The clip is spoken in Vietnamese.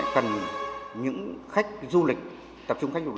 cần những khách du lịch tập trung khách du lịch